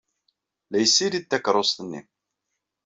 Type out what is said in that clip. La yessirid takeṛṛust-nni.